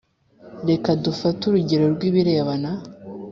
reka dufate urugero rw ibirebana